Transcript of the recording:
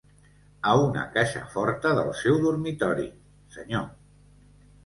A una caixa forta del seu dormitori, senyor.